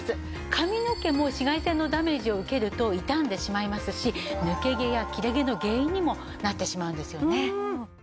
髪の毛も紫外線のダメージを受けると傷んでしまいますし抜け毛や切れ毛の原因にもなってしまうんですよね。